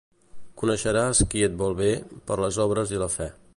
Coneixeràs qui et vol bé, per les obres i la fe.